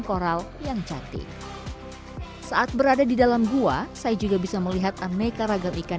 koral yang cantik saat berada di dalam gua saya juga bisa melihat aneka ragam ikan